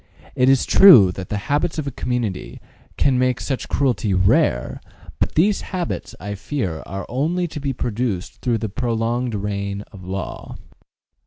It is true that the habits of a community can make such cruelty rare, but these habits, I fear, are only to be produced through the prolonged reign of law.